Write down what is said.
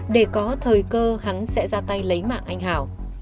để có thời cơ hắn sẽ ra tay lấy mạng anh hảo